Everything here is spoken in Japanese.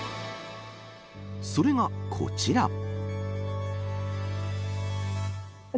それがこちら。